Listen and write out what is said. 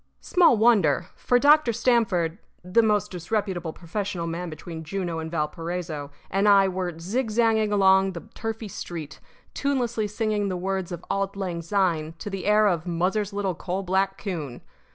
Small wonder: for Dr. Stamford (the most disreputable professional man between Juneau and Valparaiso) and I were zigzagging along the turfy street, tunelessly singing the words of "Auld Lang Syne" to the air of "Muzzer's Little Coal Black Coon."